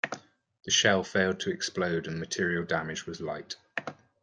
The shell failed to explode and material damage was light.